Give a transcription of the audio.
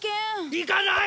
行かない！